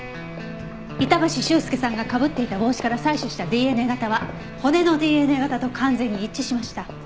板橋秀介さんがかぶっていた帽子から採取したＤＮＡ型は骨のＤＮＡ型と完全に一致しました。